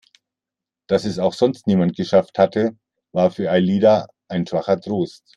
Dass es auch sonst niemand geschafft hatte, war für Alida ein schwacher Trost.